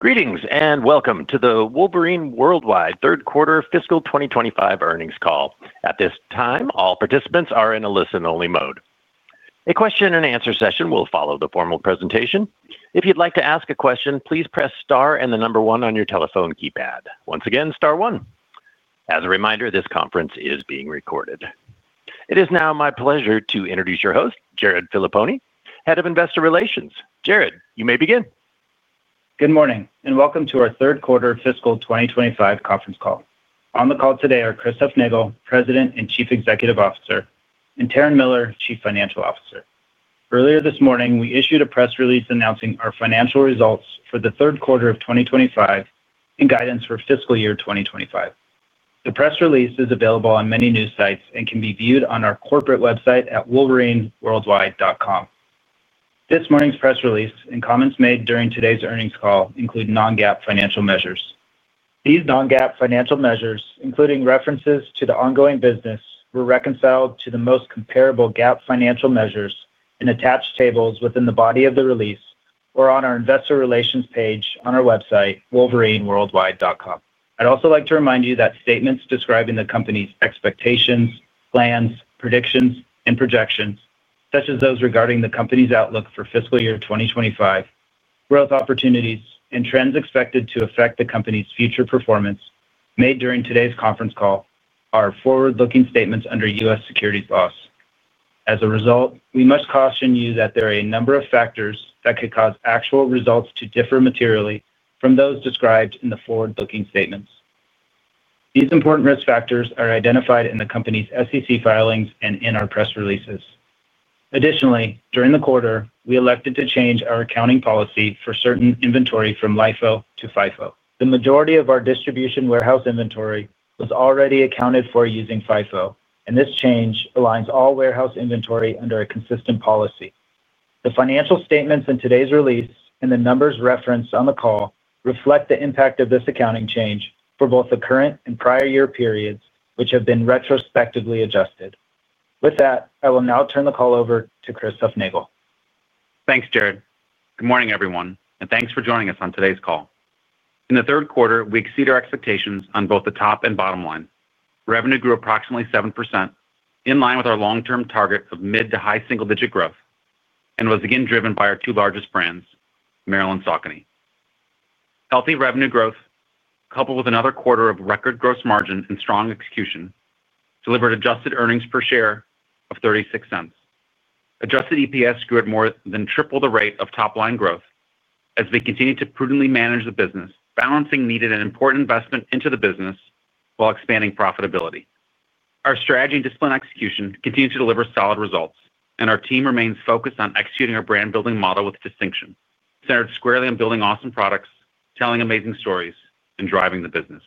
Greetings and welcome to the Wolverine Worldwide third quarter fiscal 2025 earnings call. At this time, all participants are in a listen-only mode. A question and answer session will follow the formal presentation. If you'd like to ask a question, please press star and the number one on your telephone keypad, once again, star one. As a reminder, this conference is being recorded. It is now my pleasure to introduce your host, Jared Filippone, Head of Investor Relations. Jared, you may begin. Good morning and welcome to our third quarter fiscal 2025 conference call. On the call today are Chris Hufnagel, President and Chief Executive Officer, and Taryn Miller, Chief Financial Officer. Earlier this morning we issued a press release announcing our financial results for the third quarter of 2025 and guidance for fiscal year 2025. The press release is available on many news sites and can be viewed on our corporate website at wolverineworldwide.com. This morning's press release and comments made during today's earnings call include non-GAAP financial measures. These non-GAAP financial measures, including references to the ongoing business, were reconciled to the most comparable GAAP financial measures in attached tables within the body of the release or on our Investor Relations page on our website wolverineworldwide.com. I'd also like to remind you that statements describing the company's expectations, plans, predictions, and projections, such as those regarding the company's outlook for fiscal year 2025, growth opportunities, and trends expected to affect the company's future performance, made during today's conference call are forward-looking statements under US securities laws. As a result, we must caution you that there are a number of factors that could cause actual results to differ materially from those described in the forward-looking statements. These important risk factors are identified in the company's SEC filings and in our press releases. Additionally, during the quarter we elected to change our accounting policy for certain inventory from LIFO to FIFO. The majority of our distribution warehouse inventory was already accounted for using FIFO and this change aligns all warehouse inventory under a consistent policy. The financial statements in today's release and the numbers referenced on the call reflect the impact of this accounting change for both the current and prior year periods which have been retrospectively adjusted. With that, I will now turn the call over to Chris Hufnagel. Thanks Jared. Good morning everyone and thanks for joining us on today's call. In the third quarter we exceed our expectations on both the top and bottom line. Revenue grew approximately 7% in line with our long term target of mid- to high single digit growth and was again driven by our two largest brands, Merrell and Saucony. Healthy revenue growth coupled with another quarter of record gross margin and strong execution delivered adjusted earnings per share of $0.36. Adjusted EPS grew at more than triple the rate of top line growth as we continue to prudently manage the business, balancing needed and important investment into the business while expanding profitability. Our strategy and disciplined execution continue to deliver solid results and our team remains focused on executing our brand building model with distinction, centered squarely on building awesome products, telling amazing stories and driving the business.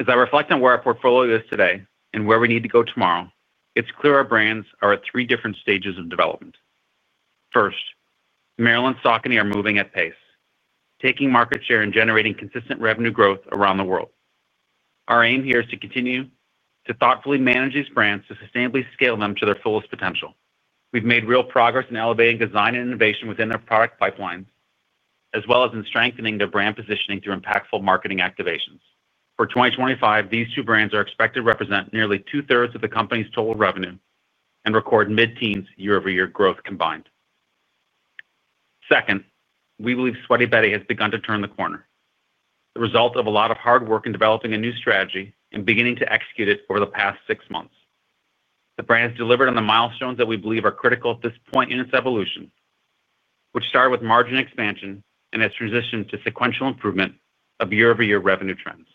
As I reflect on where our portfolio is today and where we need to go tomorrow, it's clear our brands are at three different stages of development. First, Merrell and Saucony are moving at pace, taking market share and generating consistent revenue growth around the world. Our aim here is to continue to thoughtfully manage these brands to sustainably scale them to their fullest potential. We've made real progress in elevating design and innovation within their product pipelines as well as in strengthening their brand positioning through impactful marketing activations. For 2025, these two brands are expected to represent nearly two thirds of the company's total revenue and record mid teens year-over-year growth combined. Second, we believe Sweaty Betty has begun to turn the corner, the result of a lot of hard work in developing a new strategy and beginning to execute it. Over the past six months, the brand has delivered on the milestones that we believe are critical at this point in its evolution, which started with margin expansion and has transitioned to sequential improvement of year-over-year revenue trends.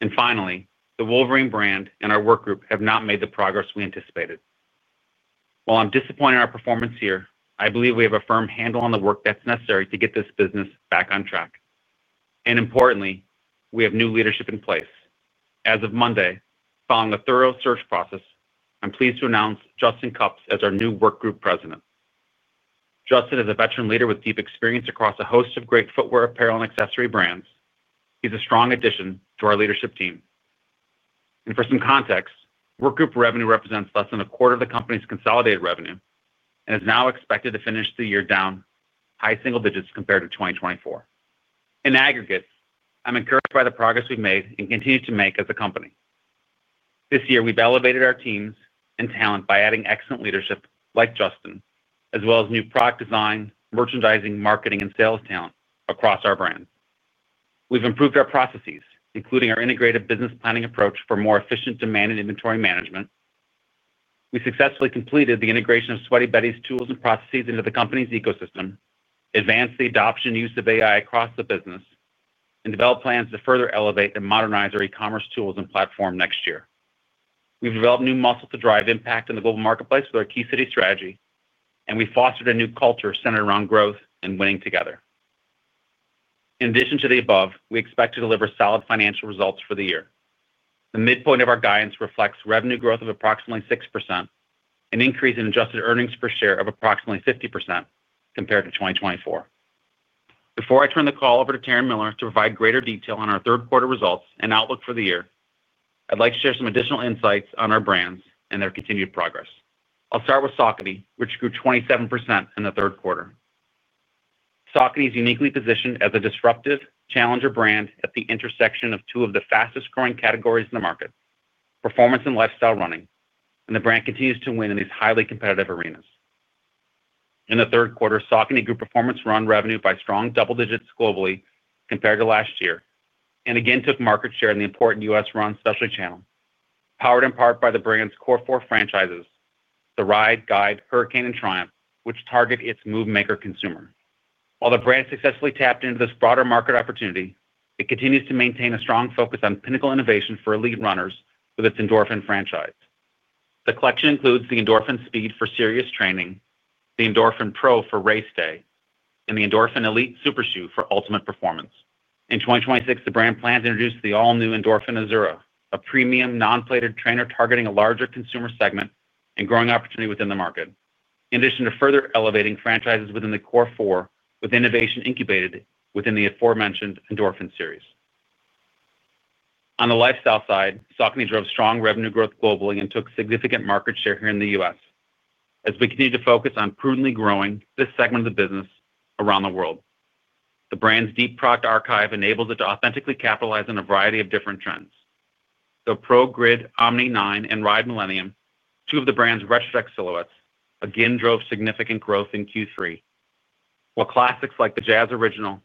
The Wolverine brand and our Workgroup have not made the progress we anticipated. While I'm disappointed in our performance here, I believe we have a firm handle on the work that's necessary to get this business back on track. Importantly, we have new leadership in place as of Monday. Following a thorough search process, I'm pleased to announce Justin Cupps as our new Work Group President. Justin is a veteran leader with deep experience across a host of great footwear, apparel and accessory brands. He's a strong addition to our leadership team and for some context, workgroup revenue represents less than a quarter of the company's consolidated revenue and is now expected to finish the year down high single digits compared to 2024 in aggregate. I'm encouraged by the progress we've made and continue to make as a company. This year we've elevated our teams and talent by adding excellent leadership like Justin, as well as new product design, merchandising, marketing and sales talent across our brands. We've improved our processes including our integrated business planning approach for more efficient demand and inventory management. We successfully completed the integration of Sweaty Betty's tools and processes into the company's ecosystem, advanced the adoption and use of AI across the business, and developed plans to further elevate and modernize our e-commerce tools and platform next year. We've developed new muscle to drive impact in the global marketplace with our Key City strategy and we fostered a new culture centered around growth and winning together. In addition to the above, we expect to deliver solid financial results for the year. The midpoint of our guidance reflects revenue growth of approximately 6%, an increase in adjusted earnings per share of approximately 50% compared to 2024. Before I turn the call over to Taryn Miller to provide greater detail on our third quarter results and outlook for the year, I'd like to share some additional insights on our brands and their continued progress. I'll start with Saucony, which grew 27% in the third quarter. Saucony is uniquely positioned as a disruptive challenger brand at the intersection of two of the fastest growing categories in the market, performance and lifestyle running, and the brand continues to win in these highly competitive arenas. In the third quarter, Saucony grew performance run revenue by strong double digits globally compared to last year and again took market share in the important US Run specialty channel, powered in part by the brand's Core Four franchises, the Ride, Guide, Hurricane, and Triumph, which target its movemaker consumer. While the brand successfully tapped into this broader market opportunity, it continues to maintain a strong focus on pinnacle innovation for elite runners with its Endorphin franchise. The collection includes the Endorphin Speed for serious training, the Endorphin Pro for race day, and the Endorphin Elite Super Shoe for ultimate performance. In 2026, the brand plan to introduce the all new Endorphin Azura, a premium non plated trainer targeting a larger consumer segment and growing opportunity within the market. In addition to further elevating franchises within the Core Four, with innovation incubated within the aforementioned Endorphin series. On the lifestyle side, Saucony drove strong revenue growth globally and took significant market share here in the US as we continue to focus on prudently growing this segment of the business around the world. The brand's deep product archive enables it to authentically capitalize on a variety of different trends. The ProGrid Omni 9, and Ride Millennium, two of the brand's retroject silhouettes, again drove significant growth in Q3, while classics like the Jazz Original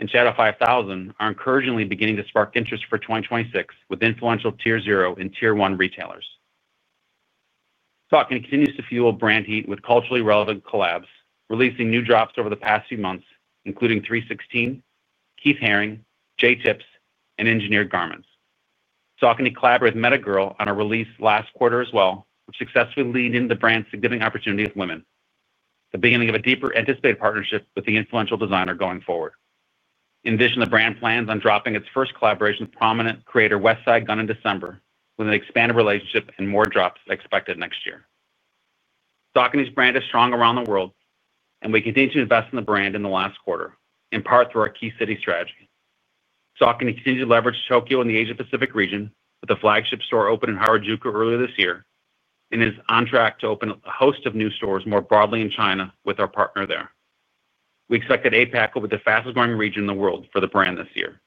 and Shadow 5000 are encouragingly beginning to spark interest for 2026 with influential Tier 0 and Tier 1 retailers. Saucony continues to fuel brand heat with culturally relevant collabs, releasing new drops over the past few months, including 316 Keith Haring, J-Tips, and Engineered Garments. Saucony collaborated with Metagirl on a release last quarter as well, which successfully led in the brand's significant opportunity with women, the beginning of a deeper anticipated partnership with the influential designer going forward. In addition, the brand plans on dropping its first collaboration with prominent creator Westside Gunn in December, with an expanded relationship and more drops expected next year. Saucony's brand is strong around the world. We continue to invest in the brand in the last quarter in part through our Key City Strategy. Saucony continues to leverage Tokyo in the Asia-Pacific region with the flagship store opened in Harajuku earlier this year, and is on track to open a host of new stores more broadly in China with our partner there. We expect that APAC will be the fastest growing region in the world for the brand this year.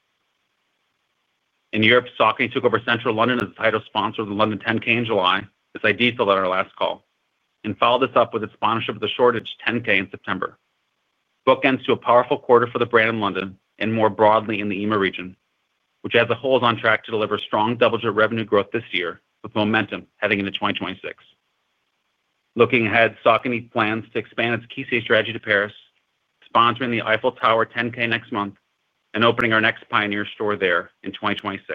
In Europe, Saucony took over Central London as the title sponsor of the London 10k in July as I detailed on our last call, and followed this up with its sponsorship of the Shoreditch 10k in September, bookends to a powerful quarter for the brand in London and more broadly in the EMEA region, which as a whole is on track to deliver strong double-digit revenue growth this year with momentum heading into 2026. Looking ahead, Saucony plans to expand its Key City Strategy to Paris, sponsoring the Eiffel Tower 10k next month and opening our next Pioneer store there in 2026.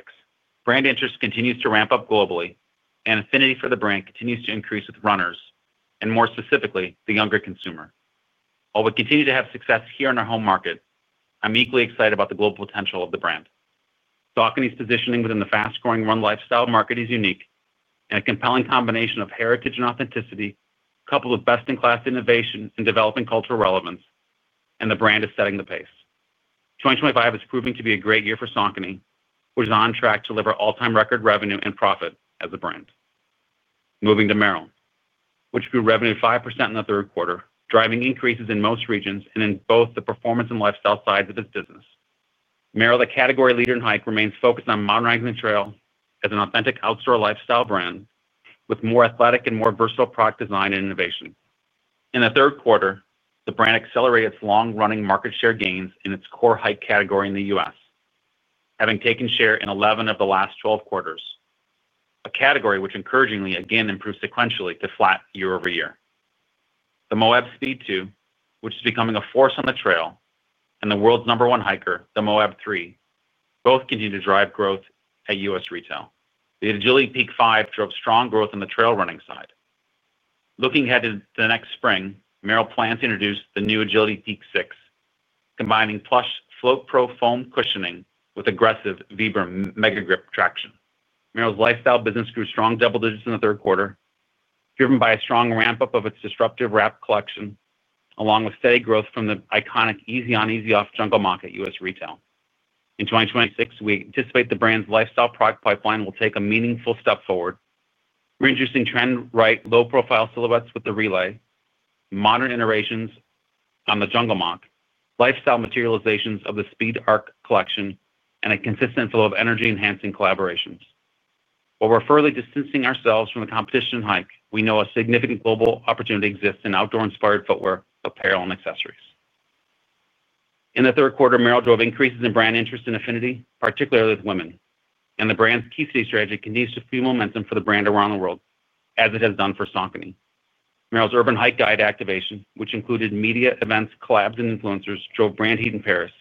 Brand interest continues to ramp up globally and affinity for the brand continues to increase with runners and more specifically the younger consumer. While we continue to have success here in our home market, I'm equally excited about the global potential of the brand. Saucony's positioning within the fast growing run lifestyle market is unique and a compelling combination of heritage and authenticity coupled with best in class innovation and developing cultural relevance and the brand is setting the pace. 2025 is proving to be a great year for Saucony which is on track to deliver all time record revenue and profit as a brand. Moving to Merrell, which grew revenue 5% in the third quarter, driving increases in most regions and in both the performance and lifestyle sides of this business. Merrell, the category leader in Hike, remains focused on modernizing the trail as an authentic outdoor lifestyle brand with more athletic and more versatile product design and innovation. In the third quarter the brand accelerated its long running market share gains in its core Hike category in the US, having taken share in 11 of the last 12 quarters, a category which encouragingly again improved sequentially to flat year-over-year. The Moab Speed 2, which is becoming a force on the trail, and the world's number one hiker, the Moab 3, both continue to drive growth at US retail. The Agility Peak 5 drove strong growth in the trail running side. Looking ahead to the next spring, Merrell plans to introduce the new Agility Peak 6, combining plush FloatPro foam cushioning with aggressive Vibram Megagrip traction. Merrell's lifestyle business grew strong double digits in the third quarter, driven by a strong ramp up of its Disruptive Wrap collection along with steady growth from the iconic easy on easy off Jungle Moc at US retail. In 2026, we anticipate the brand's lifestyle product pipeline will take a meaningful step forward, introducing trend right low profile silhouettes with the Relay, modern iterations on the Jungle Moc, lifestyle materializations of the Speedarc collection, and a consistent flow of energy enhancing collaborations. While we're further distancing ourselves from the competition hike, we know a significant global opportunity exists in outdoor inspired footwear, apparel, and accessories. In the third quarter, Merrell drove increases in brand interest and affinity, particularly with women, and the brand's Key City strategy continues to fuel momentum for the brand around the world as it has done for Saucony. Merrell's Urban Hike Guide activation, which included media events, collabs, and influencers, drove brand heat in Paris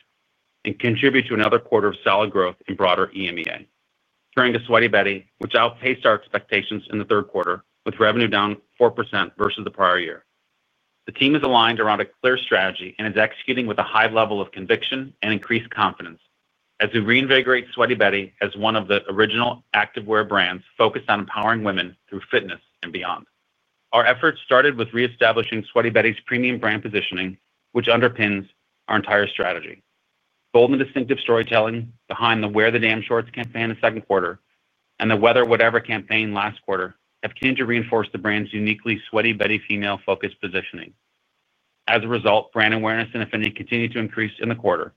and contributed to another quarter of solid growth in broader EMEA. Turning to Sweaty Betty, which outpaced our expectations in the third quarter with revenue down 4% versus the prior year. The team is aligned around a clear strategy and is executing with a high level of conviction and increased confidence as we reinvigorate Sweaty Betty as one of the original activewear brands focused on empowering women through fitness and beyond. Our efforts started with reestablishing Sweaty Betty's premium brand positioning, which underpins our entire strategy. Bold and distinctive storytelling behind the Wear the Damn Shorts campaign, the second quarter, and the Weather Whatever campaign last quarter have continued to reinforce the brand's uniquely Sweaty Betty female-focused positioning. As a result, brand awareness and affinity continued to increase in the quarter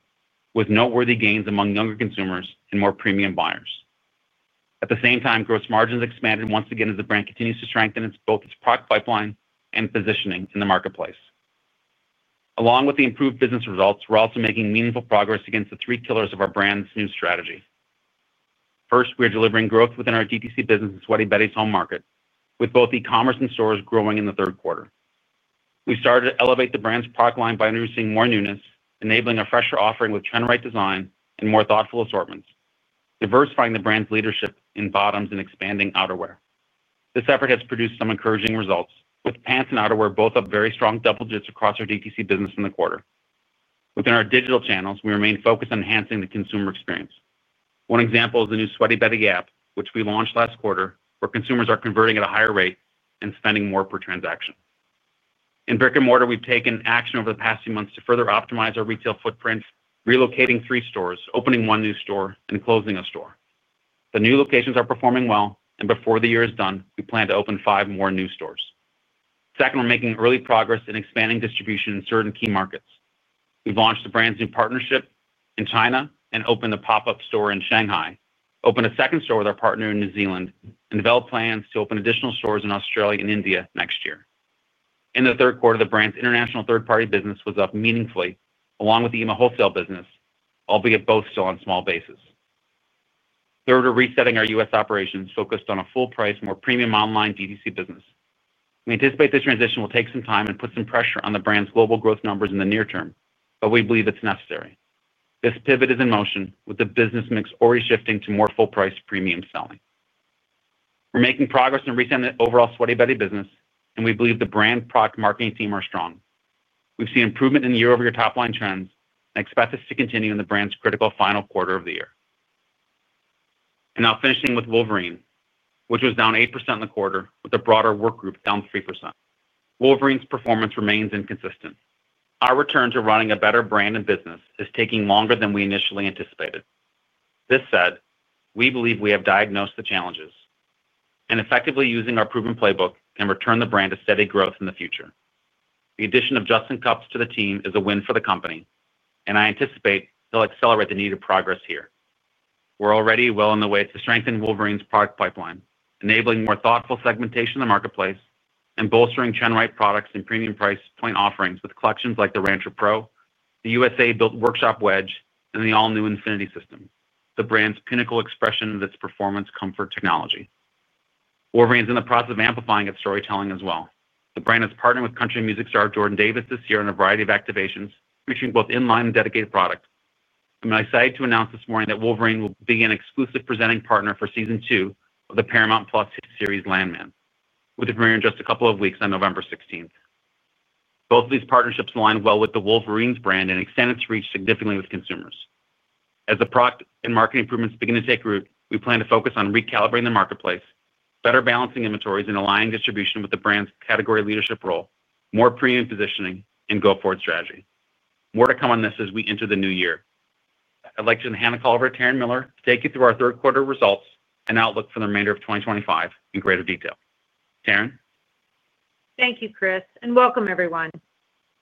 with noteworthy gains among younger consumers and more premium buyers. At the same time, gross margins expanded once again as the brand continues to strengthen both its product pipeline and positioning in the marketplace. Along with the improved business results, we're also making meaningful progress against the three pillars of our brand's new strategy. First, we are delivering growth within our DTC business and Sweaty Betty's home market. With both e-commerce and stores growing in the third quarter, we started to elevate the brand's product line by introducing more newness, enabling a fresher offering with trend-right design and more thoughtful assortments, diversifying the brand's leadership in bottoms and expanding outerwear. This effort has produced some encouraging results with pants and outerwear both up very strong double digits across our DTC business in the quarter. Within our digital channels, we remain focused on enhancing the consumer experience. One example is the new Sweaty Betty app which we launched last quarter, where consumers are converting at a higher rate and spending more per transaction in brick and mortar. We've taken action over the past few months to further optimize our retail footprint, relocating three stores, opening one new store and closing a store. The new locations are performing well and before the year is done, we plan to open five more new stores. Second, we're making early progress in expanding. Distribution in certain key markets. We launched the brand's new partnership in China and opened the pop up store in Shanghai, opened a second store with our partner in New Zealand and developed plans to open additional stores in Australia and India next year. In the third quarter, the brand's international third party business was up meaningfully along with the EMEA wholesale business, albeit both still on a small basis. Third, we're resetting our US operations focused on a full price more premium online DTC business. We anticipate this transition will take some time and put some pressure on the brand's global growth numbers in the near term, but we believe it's necessary. This pivot is in motion with the business mix already shifting to more full price premium selling. We're making progress in resetting the overall Sweaty Betty business and we believe the brand product marketing team are strong. We've seen improvement in year-over-year top line trends and expect this to continue in the brand's critical final quarter of the year, and now finishing with Wolverine, which was down 8% in the quarter. With the broader work group down 3%, Wolverine's performance remains inconsistent. Our return to running a better brand and business is taking longer than we initially anticipated. This said, we believe we have diagnosed the challenges and effectively using our proven playbook can return the brand to steady growth in the future. The addition of Justin Cupps to the team is a win for the company and I anticipate they'll accelerate the needed progress here. We're already well on the way to strengthen Wolverine's product pipeline, enabling more thoughtful segmentation in the marketplace and bolstering genuine products and premium price point offerings with collections like the Rancher Pro, the USA Built Workshop Wedge, and the all new Infinity System. The brand's pinnacle expression of its performance comfort technology, Wolverine is in the process of amplifying its storytelling as well. The brand is partnering with country music star Jordan Davis this year in a variety of activations featuring both in line and dedicated product. I'm excited to announce this morning that Wolverine will be an exclusive presenting partner for season two of the Paramount Plus series Landman with the premiere in just a couple of weeks on November 16th. Both of these partnerships align well with the Wolverine brand and extend its reach significantly with consumers. As the product and marketing improvements begin to take root, we plan to focus on recalibrating the marketplace, better balancing inventories and aligning distribution with the brand's category leadership role, more premium positioning and go forward strategy. More to come on this as we enter the new year. I'd like to hand the call over to Taryn Miller to take you through our third quarter results and outlook for the remainder of 2025 in greater detail. Taryn, thank you, Chris, and welcome everyone.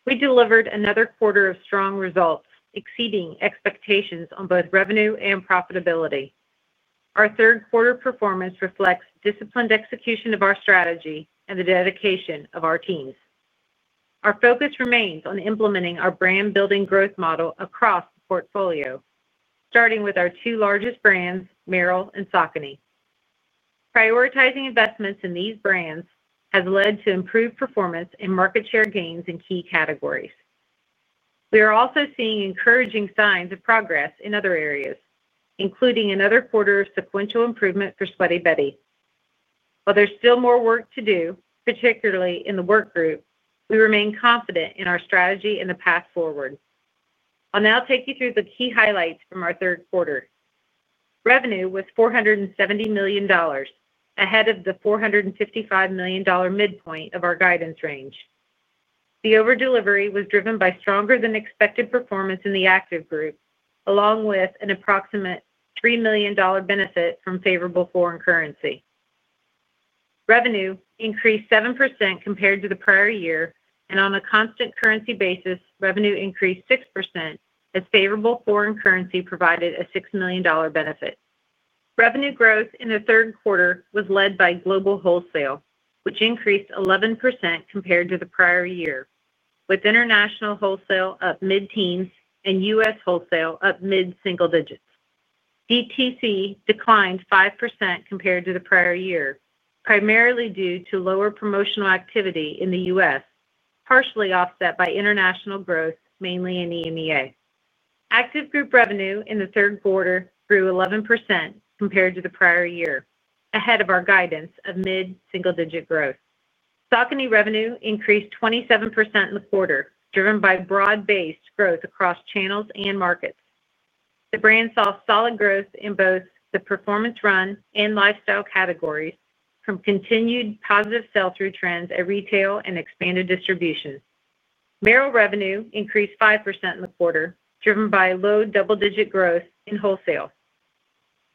We delivered another quarter of strong results, exceeding expectations on both revenue and profitability. Our third quarter performance reflects disciplined execution of our strategy and the dedication of our teams. Our focus remains on implementing our brand building growth model across portfolio, starting with our two largest brands, Merrell and Saucony. Prioritizing investments in these brands has led to improved performance and market share gains in key categories. We are also seeing encouraging signs of progress in other areas, including another quarter of sequential improvement for Sweaty Betty. While there's still more work to do, particularly in the work group, we remain confident in our strategy and the path forward. I'll now take you through the key highlights from our third quarter. Revenue was $470 million, ahead of the $455 million midpoint of our guidance range. The over delivery was driven by stronger than expected performance in the Active group along with an approximate $3 million benefit from favorable foreign currency. Revenue increased 7% compared to the prior year and on a constant currency basis, revenue increased 6% as favorable foreign currency provided a $6 million benefit. Revenue growth in the third quarter was led by global wholesale, which increased 11% compared to the prior year, with International Wholesale up mid teens and US wholesale up mid single digits. DTC declined 5% compared to the prior year, primarily due to lower promotional activity in the US partially offset by international growth mainly in EMEA Active group. Revenue in the third quarter grew 11% compared to the prior year ahead of our guidance of mid single digit growth. Saucony revenue increased 27% in the quarter driven by broad based growth across channels and markets. The brand saw solid growth in both the performance run and lifestyle categories from continued positive sell through trends at retail and expanded distribution. Merrell revenue increased 5% in the quarter driven by low double digit growth in wholesale.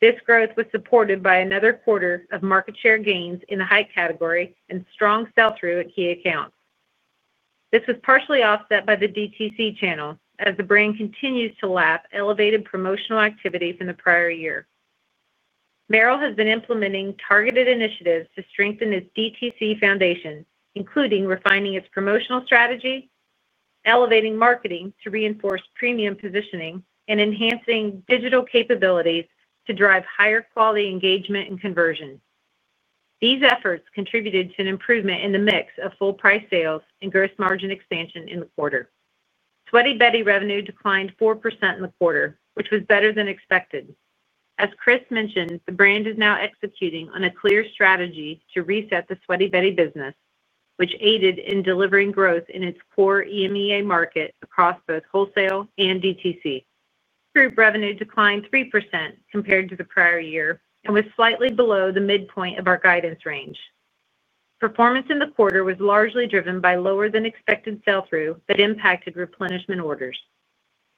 This growth was supported by another quarter of market share gains in the hike category and strong sell through at key accounts. This was partially offset by the DTC channel as the brand continues to lap elevated promotional activity from the prior year. Merrell has been implementing targeted initiatives to strengthen its DTC foundation including refining its promotional strategy, elevating marketing to reinforce premium positioning and enhancing digital capabilities to drive higher quality engagement and conversion. These efforts contributed to an improvement in the mix of full price sales and gross margin expansion in the quarter. Sweaty Betty revenue declined 4% in the quarter which was better than expected. As Chris mentioned, the brand is now executing on a clear strategy to reset the Sweaty Betty business which aided in delivering growth in its core EMEA market across both wholesale and DTC. Revenue declined 3% compared to the prior year and was slightly below the midpoint of our guidance range. Performance in the quarter was largely driven by lower than expected sell through that impacted replenishment orders.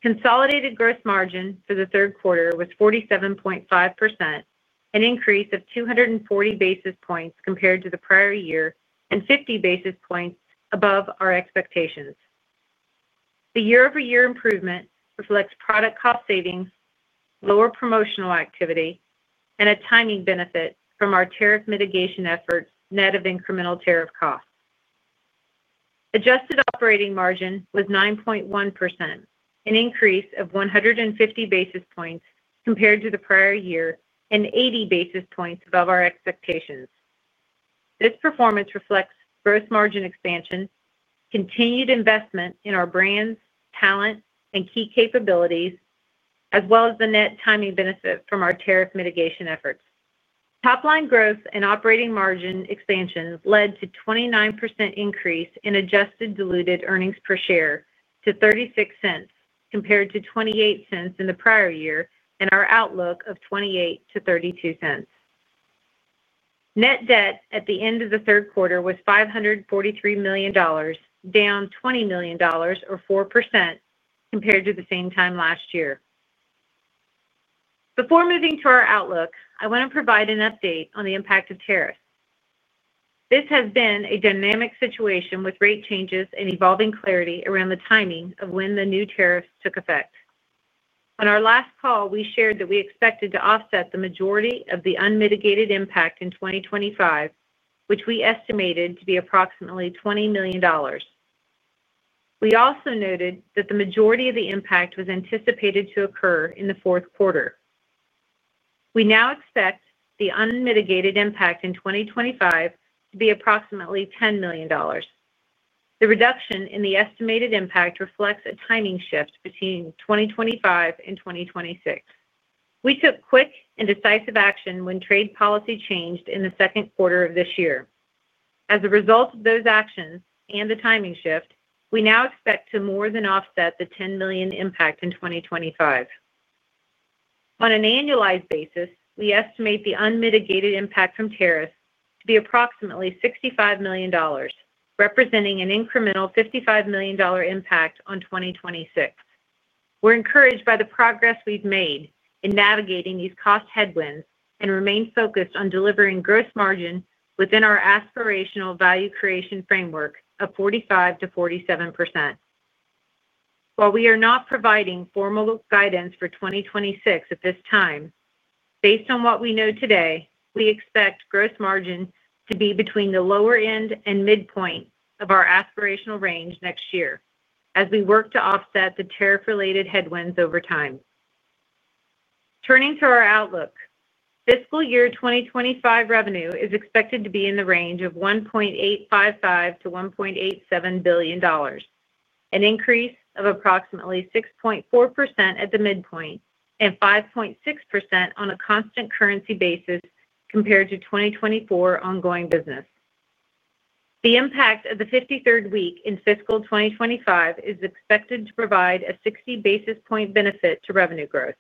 Consolidated gross margin for the third quarter was 47.5%, an increase of 240 basis points compared to the prior year and 50 basis points above our expectations. The year-over year improvement reflects product cost savings, lower promotional activity and a timing benefit from our tariff mitigation efforts net of incremental tariff costs. Adjusted operating margin was 9.1%, an increase of 150 basis points compared to the prior year and 80 basis points above our expectations. This performance reflects gross margin expansion, continued investment in our brands, talent and key capabilities as well as the net timing benefit from our tariff mitigation efforts. Top line growth and operating margin expansion led to 29% increase in adjusted diluted earnings per share to $0.36 compared to $0.28 in the prior year and our outlook of $0.28 to 0.32. Net debt at the end of the third quarter was $543 million, down $20 million or 4% compared to the same time last year. Before moving to our outlook, I want to provide an update on the impact of tariffs. This has been a dynamic situation with rate changes and evolving clarity around the timing of when the new tariffs took effect. On our last call we shared that we expected to offset the majority of the unmitigated impact in 2025, which we estimated to be approximately $20 million. We also noted that the majority of the impact was anticipated to occur in the fourth quarter. We now expect the unmitigated impact in 2025 to be approximately $10 million. The reduction in the estimated impact reflects a timing shift between 2025 and 2026. We took quick and decisive action when trade policy changed in the second quarter of this year. As a result of those actions and the timing shift, we now expect to more than offset the $10 million impact in 2025. On an annualized basis, we estimate the unmitigated impact from tariffs to be approximately $65 million, representing an incremental $55 million impact on 2026. We're encouraged by the progress we've made in navigating these cost headwinds and remain focused on delivering gross margin within our aspirational value creation framework of 45%-47. While we are not providing formal guidance for 2026 at this time, based on what we know today, we expect gross margin to be between the lower end and midpoint of our aspirational range next year as we work to offset the tariff related headwinds over time. Turning to our outlook, fiscal year 2025 revenue is expected to be in the range of $1.855 to 1.87 billion, an increase of approximately 6.4% at the midpoint and 5.6% on a constant currency basis compared to 2024 ongoing business. The impact of the 53rd week in fiscal 2025 is expected to provide a 60 basis point benefit to revenue growth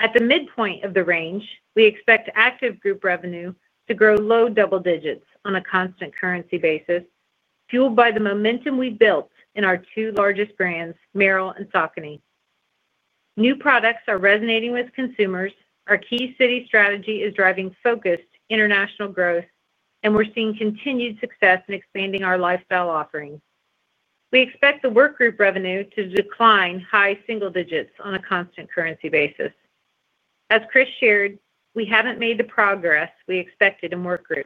at the midpoint of the range. We expect active group revenue to grow low double digits on a constant currency basis. Fueled by the momentum we built in our two largest brands, Merrell and Saucony. New products are resonating with consumers. Our Key City strategy is driving focused international growth and we're seeing continued success in expanding our lifestyle offering. We expect the Workgroup revenue to decline high single digits on a constant currency basis. As Chris shared, we haven't made the progress we expected in Workgroup.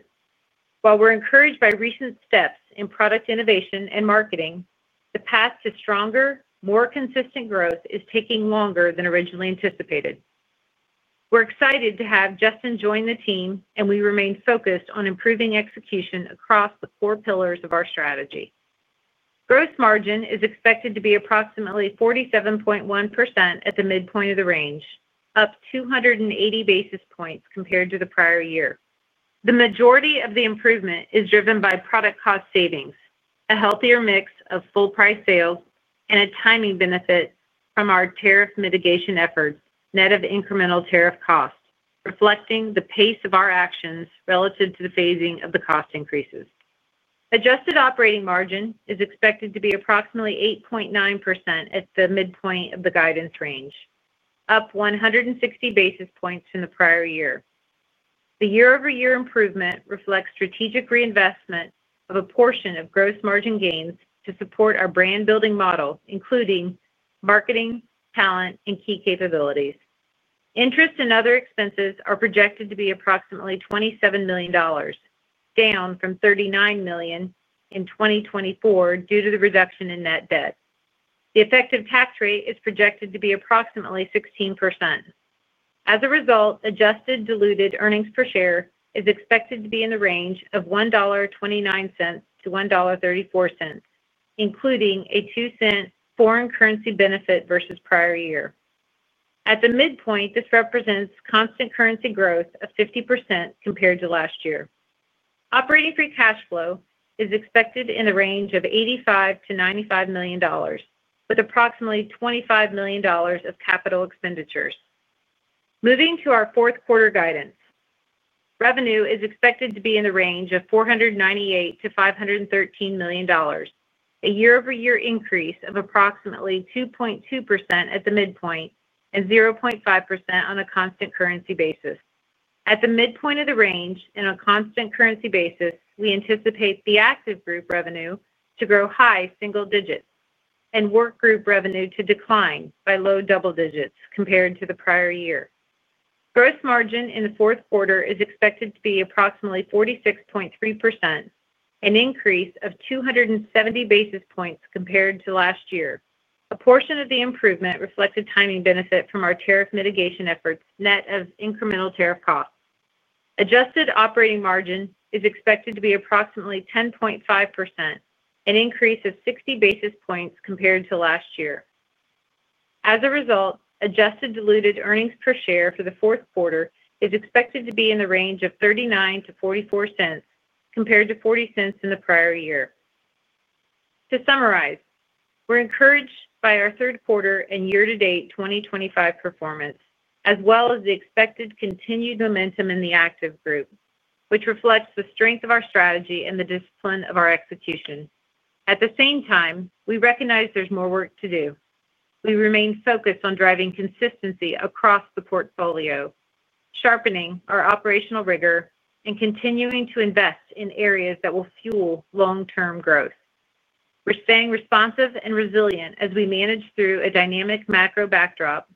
While we're encouraged by recent steps in product innovation and marketing, the path to stronger, more consistent growth is taking longer than originally anticipated. We're excited to have Justin join the team and we remain focused on improving execution across the core pillars of our strategy. Gross margin is expected to be approximately 47.1% at the midpoint of the range, up 280 basis points compared to the prior year. The majority of the improvement is driven by product cost savings, a healthier mix of full price sales, and a timing benefit from our tariff mitigation efforts net of incremental tariff cost reflecting the pace of our actions regardless of relative to the phasing of the cost increases. Adjusted operating margin is expected to be approximately 8.9% at the midpoint of the guidance range, up 160 basis points from the prior year. The year over year improvement reflects strategic reinvestment of a portion of gross margin gains to support our brand building model including marketing, talent, and key capabilities. Interest and other expenses are projected to be approximately $27 million, down from $39 million in 2024. Due to the reduction in net debt, the effective tax rate is projected to be approximately 16%. As a result, adjusted diluted earnings per share is expected to be in the range of $1.29 to 1.34 including a $0.02 foreign currency benefit versus prior year. At the midpoint, this represents constant currency growth of 50% compared to last year. Operating free cash flow is expected in the range of $85 to 95 million with approximately $25 million of capital expenditures moving to our fourth quarter. Guidance revenue is expected to be in the range of $498 to 513 million, a year-over-year increase of approximately 2.2% at the midpoint and 0.5% on a constant currency basis at the midpoint of the range. On a constant currency basis, we anticipate the active group revenue to grow high single digits and workgroup revenue to decline by low double digits compared to the prior year. Gross margin in the fourth quarter is expected to be approximately 46%, an increase of 270 basis points compared to last year. A portion of the improvement reflected timing benefit from our tariff mitigation efforts net of incremental tariff costs. Adjusted operating margin is expected to be approximately 10.5%, an increase of 60 basis points compared to last year. As a result, adjusted diluted earnings per share for the fourth quarter is expected to be in the range of $0.39 to 0.44 compared to $0.40 in the prior year. To summarize, we're encouraged by our third quarter and year to date 2025 performance as well as the expected continued momentum in the active group, which reflects the strength of our strategy and the discipline of our execution. At the same time, we recognize there's more work to do. We remain focused on driving consistency across the portfolio, sharpening our operational rigor and continuing to invest in areas that will fuel long term growth. We're staying responsive and resilient as we manage through a dynamic macro backdrop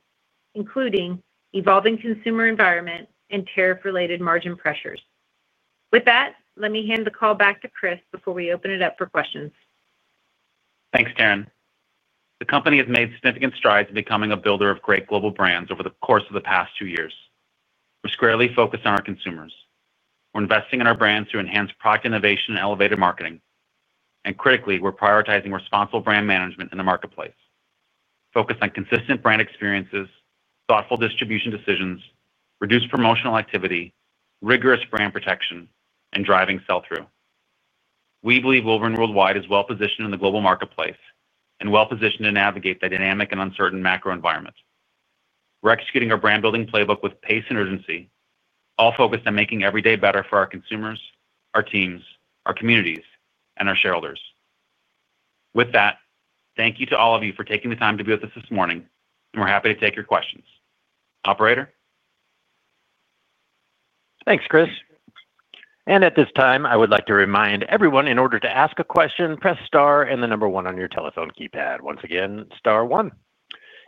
including evolving consumer environment and tariff related margin pressures. With that, let me hand the call back to Chris before we open it up for questions. Thanks, Taryn. The company has made significant strides in becoming a builder of great global brands over the course of the past two years. We're squarely focused on our consumers, we're investing in our brands to enhance product innovation and elevated marketing. Critically, we're prioritizing responsible brand management in the marketplace, focused on consistent brand experiences, thoughtful distribution decisions, reduced promotional activity, rigorous brand protection and driving sell through. We believe Wolverine Worldwide is well positioned in the global marketplace and well positioned to navigate the dynamic and uncertain macro environments. Executing our brand building playbook with pace and urgency. All focused on making every day better for our consumers, our teams, our communities and our shareholders. With that, thank you to all of you for taking the time to be with us this morning and we're happy to take your questions. Operator. Thanks, Chris. At this time I would like to remind everyone, in order to ask a question, press star and the number one on your telephone keypad. Once again, star one.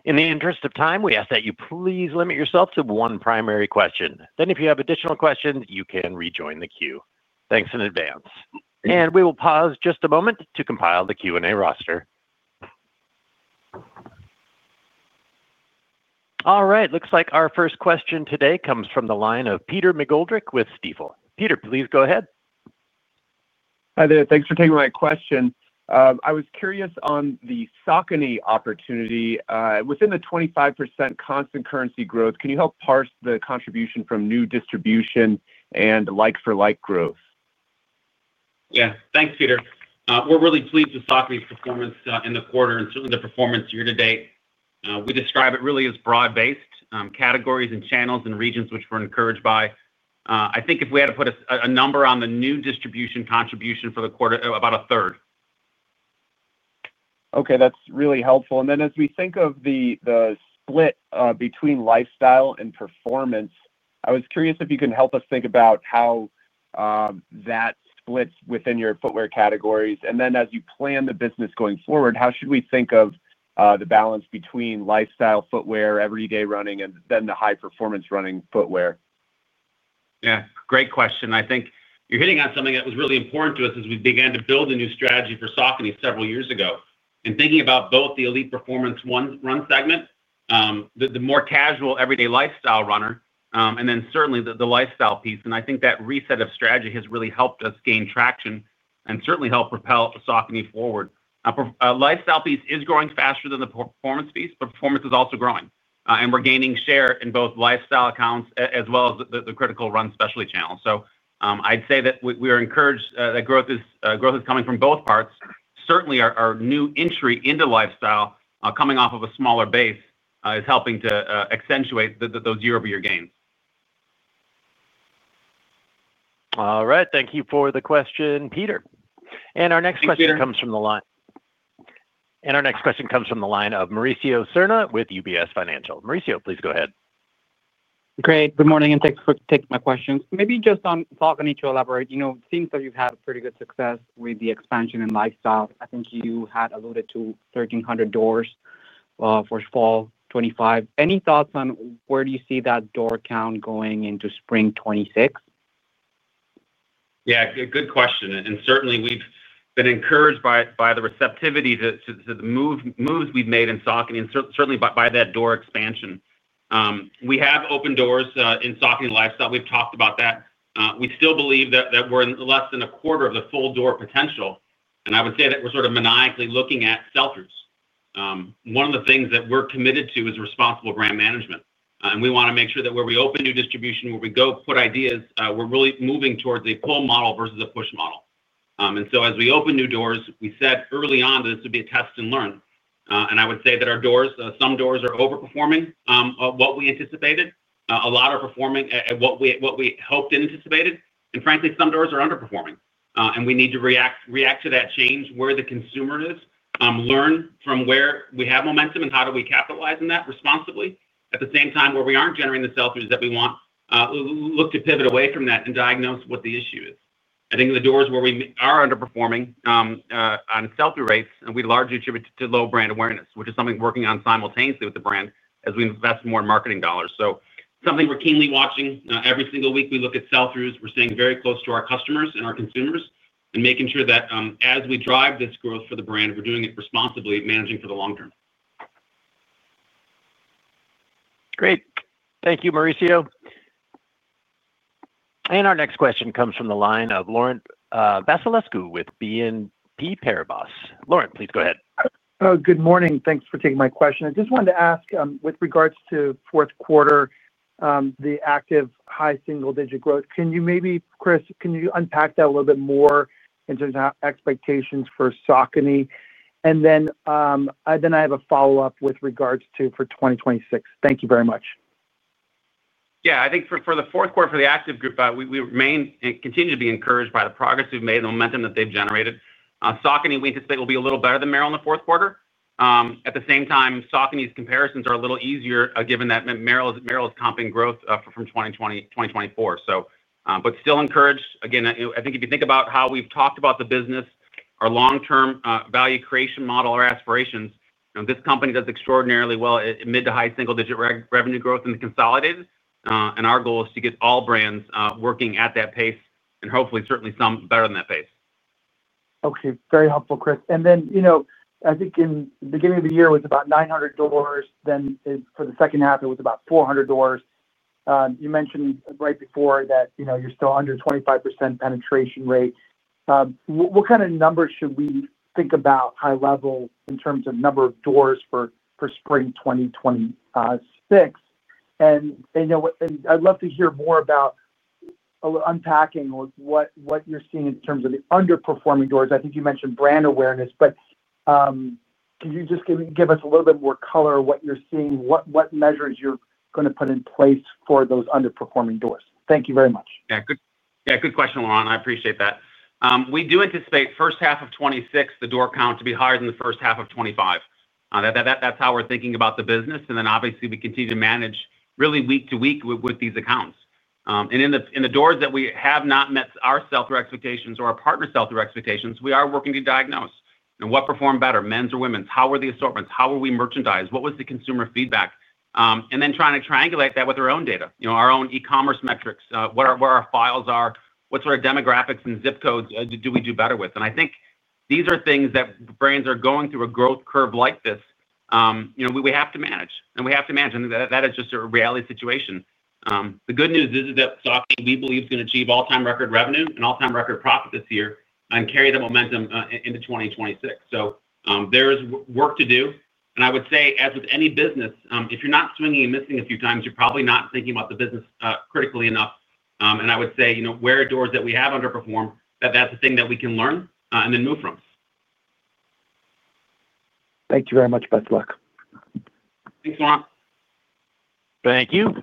In the interest of time we ask that you please limit yourself to one primary question. If you have additional questions you can rejoin the queue. Thanks in advance. We will pause just a moment to compile the Q&A roster. All right, looks like our first question today comes from the line of Peter McGoldrick with Stifel. Peter, please go ahead. Hi there. Thanks for taking my question. I was curious on the Saucony opportunity within the 25% constant currency growth, can you help parse the contribution from new distribution and like for like growth? Yeah, thanks Peter. We're really pleased with Saucony's performance in the quarter and certainly the performance year to date. We describe it really as broad based categories and channels and regions which we're encouraged by. I think if we had to put a number on the new distribution contribution for the quarter, about a third. Okay, that's really helpful. As we think of the split between lifestyle and performance, I was curious if you can help us think about how that splits within your footwear categories. As you plan the business going forward, how should we think of the balance between lifestyle footwear, everyday running, and then the high performance running footwear? Yeah, great question. I think you're hitting on something that was really important to us as we began to build a new strategy for Saucony several years ago and thinking about both the elite performance Run segment, the more casual everyday lifestyle runner, and then certainly the lifestyle piece. I think that reset of strategy. Has really helped us gain traction. Certainly help propel Saucony forward. Lifestyle piece is growing faster than the performance piece, but performance is also growing. We're gaining share in both lifestyle accounts as well as the critical run specialty channel. I'd say that we are encouraged that growth is coming from both parts. Certainly our new entry into lifestyle coming off of a smaller base is helping to accentuate those year-over- year gains. All right, thank you for the question, Peter. Our next question comes from the line of Mauricio Serna with UBS Financial. Mauricio, please go ahead. Great. Good morning and thanks for taking my questions. Maybe just on talk, I need to elaborate. You know, it seems that you've had pretty good success with the expansion and lifestyle. I think you had alluded to 1,300 doors for fall 2025. Any thoughts on where do you see that door count going into spring 2026? Yeah, good question. Certainly we've been encouraged by the receptivity to the moves we've made in Saucony and certainly by that door expansion. We have open doors in stocking and lifestyle. We've talked about that. We still believe that we're in less than a quarter of the full door potential. I would say that we're sort of maniacally looking at sell throughs. One of the things that we're committed to is responsible brand management. We want to make sure that where we open new distribution, where we go put ideas, we're really moving towards a pull model versus a push model. As we open new doors, we said early on this would be a test and learn. I would say that our doors, some doors are overperforming what we anticipated, a lot are performing at what we hoped and anticipated. Frankly, some doors are underperforming and we need to react to that, change where the consumer is, learn from where we have momentum and how do we capitalize on that responsibly. At the same time, where we are not generating the sell throughs that we want, look to pivot away from that and diagnose what the issue is. I think the doors where we are underperforming on sell through rates and we largely attribute to low brand awareness, which is something working on simultaneously with the brand as we invest more in marketing dollars. Something we're keenly watching every single week, we look at sell throughs, we're staying very close to our customers our consumers and making sure that as we drive this growth for the brand. We're doing it responsibly, managing for the long term. Our next question comes from the line of Laurent Vasilescu with BNP Paribas. Laurent, please go ahead. Good morning. Thanks for taking my question. I just wanted to ask with regards to fourth quarter, the active high single digit growth, can you maybe Chris, can you unpack that a little bit more in terms of expectations for Saucony? I have a follow up with regards to for 2026. Thank you very much. Yeah, I think for the fourth quarter for the active group, we remain and continue to be encouraged by the progress we've made, the momentum that they've generated. Saucony we anticipate will be a little better than Merrell in the fourth quarter. At the same time, Saucony's comparisons are a little easier given that Merrell is comping growth from 2020, 2024, but still encouraged. Again, I think if you think about how we've talked about the business, our long term value creation model or aspirations, this company does extraordinarily well mid to high single digit revenue growth in the consolidated. And our goal is to get all brands working at that pace and hopefully. Certainly some better than that pace. Okay, very helpful, Chris. You know, I think in the beginning of the year it was about 900 doors. For the second half it was about 400 doors. You mentioned right before that, you know, you're still under 25% penetration rate. What kind of numbers should we think about high level in terms of number of doors for spring 2026? I'd love to hear more about unpacking what you're seeing in terms of the underperforming doors. I think you mentioned brand awareness, but could you just give us a little bit more color on what you're seeing, what measures you're going to put in place for those underperforming doors? Thank you very much. Good question, Laurent. I appreciate that. We do anticipate first half of 2026, the door count to be higher than first half 2025. That is how we are thinking about the business. Obviously, we continue to manage really week to week with these accounts, and in the doors that have not met our sell through expectations or our partners' sell through expectations, we are working to diagnose what performed better, men's or women's. How are the assortments, how are we merchandised, what was the consumer feedback, and then trying to triangulate that with our own data, our own e-commerce metrics, where our files are, what sort of demographics and zip codes do we do better with? I think these are things that brands are going through a growth curve like this. You know, we have to manage and we have to manage and that is just a reality situation. The good news is that stock, we believe, is going to achieve all-time record revenue and all-time record profit this year and carry the momentum into 2026. There is work to do. I would say as with any business, if you're not swinging and missing a few times, you're probably not thinking about the business critically enough. I would say, you know, where are doors that we have underperformed, that that's the thing that we can learn then move from. Thank you very much. Best luck. Thanks Laurent. Thank you.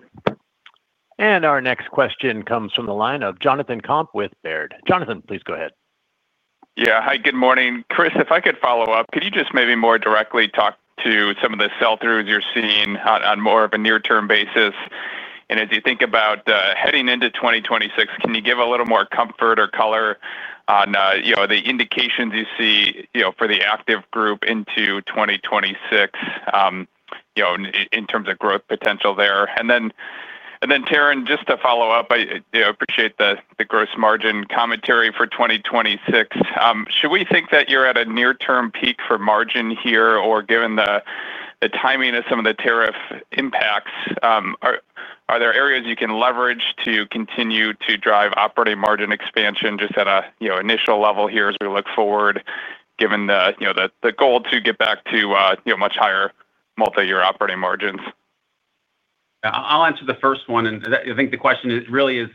Our next question comes from the line of Jonathan Komp with Baird. Jonathan, please go ahead. Yeah, hi, good morning, Chris. If I could follow up, could you just maybe more directly talk to some of the sell throughs you're seeing on more of a near term basis? As you think about heading into 2026, can you give a little more comfort or color on the indications you see for the active group into 2026 in terms of growth potential there? Taryn, just to follow up, I appreciate the gross margin commentary for 2026. Should we think that you're at a near term peak for margin here, or given the timing of some of the tariff impacts, are there areas you can leverage to continue to drive operating margin expansion just at an initial level here as we are given the goal to get back to much higher multi year operating margins. I'll answer the first one. I think the question really is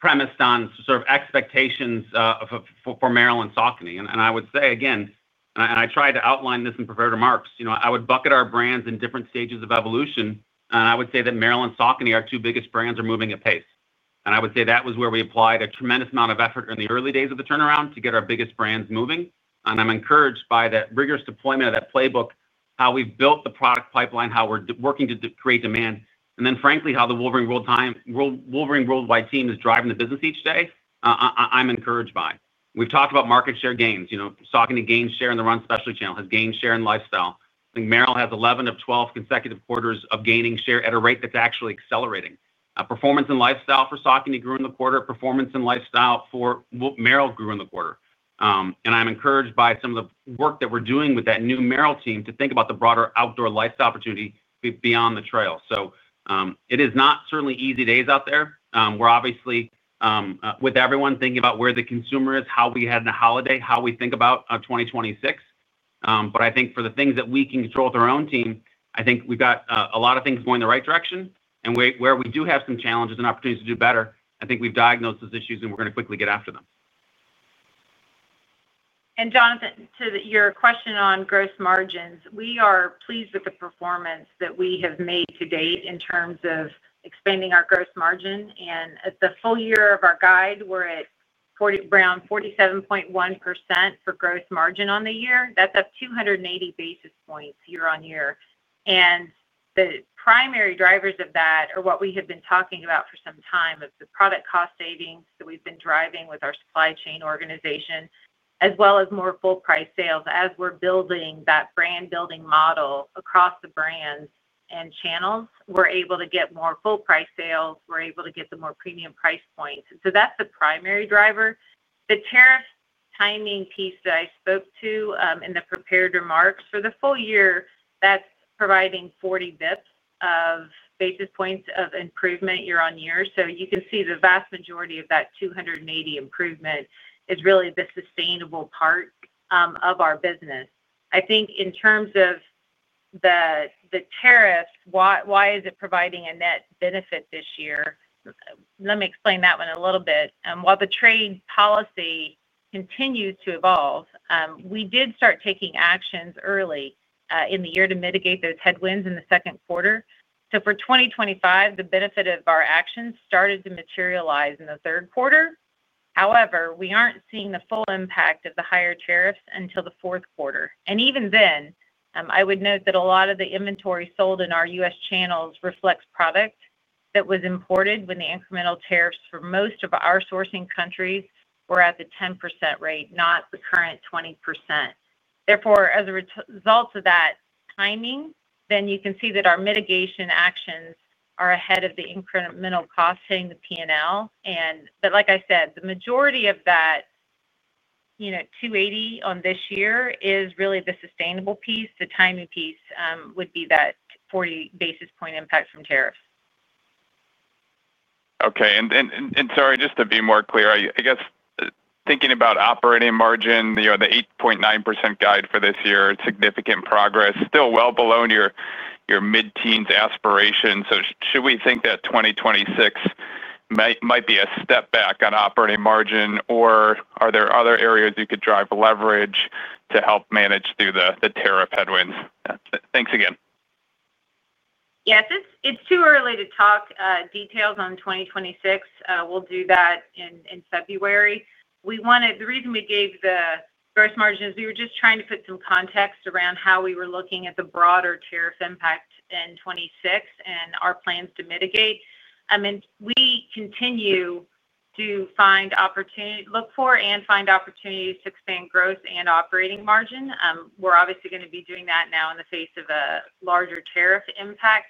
premised on expectations for Merrell Saucony I would say again, and I tried to outline this in prepared remarks, I would bucket our brands in different stages of evolution and I would say that Merrell and Saucony, our two biggest brands are moving apace. I would say that was where we applied a tremendous amount of effort in the early days of the turnaround to get our biggest brands moving. I'm encouraged by that rigorous deployment of that playbook, how we've built the product pipeline, how we're working to create demand and then frankly how the Wolverine Worldwide team is driving the business each day. I'm encouraged by. We've talked about market share gains, you know, stocking to gain share in the Run Specialty Channel has gained share in. Lifestyle, Merrell has 11 of 12 consecutive quarters of gaining share at a rate that's actually accelerating. Performance and lifestyle for Saucony grew in the quarter. Performance and lifestyle for Merrell grew in the quarter. I am encouraged by some of the work that we're doing with that new Merrell team to think about the broader outdoor lifestyle opportunity beyond the trail. It is not certainly easy days out there. We're obviously with everyone thinking about where the consumer is, how we had the holiday, how we think about 2026. I think for the things that we can control with our own team. I think we've got a lot of things going the right direction and where we do have some challenges and opportunities to do better, I think we've diagnosed those issues and we're going to quickly get after them. Jonathan, to your question on gross margins, we are pleased with the performance that we have made to date in terms of expanding our gross margin. At the full year of our guide, we are at around 47.1% for gross margin on the year. That is up 280 basis points year on year. The primary drivers of that are what we have been talking about for some time of the product cost savings that we have been driving with our supply chain organization as well as more full price sales. As we are building that brand building model across the brands and channels, we are able to get more full price sales, we are able to get the more premium price points. That is the primary driver. The tariff timing piece that I spoke to in the prepared remarks for the full year, that's providing 40 basis points of improvement year on year. You can see the vast majority of that 280 basis points improvement is really the sustainable part of our business. I think in terms of the tariffs, why is it providing a net benefit this year? Let me explain that one a little bit. While the trade policy continues to evolve, we did start taking actions early in the year to mitigate those headwinds in the second quarter. For 2025, the benefit of our actions started to materialize in the third quarter. However, we aren't seeing the full impact of the higher tariffs until the fourth quarter. Even then I would note that a lot of the inventory sold in our US channels reflects product that was imported when the incremental tariffs for most of our sourcing countries at the 10% rate, not the current 20%. Therefore, as a result of that timing, you can see that our mitigation actions are ahead of the incremental cost hitting the P&L. Like I said, the majority of that, you know, $280 million on this year is really the sustainable piece. The timing piece would be that 40 basis point impact from tariffs. Okay. Sorry, just to be more clear, I guess thinking about operating margin, the 8.9% guide for this year, significant progress, still well below your mid teens aspirations. Should we think that 2026 might be a step back on operating margin or are there other areas you could drive leverage to help manage through the tariff headwinds? Thanks again. Yes, it's too early to talk details on 2026. We'll do that in February. The reason we gave the gross margin is we were just trying to put some context around how we were looking at the broader tariff impact in 2026 and our plans to mitigate. We continue to find opportunity, look for and find opportunities to expand growth and operating margin. We're obviously going to be doing that now in the face of a larger tariff impact.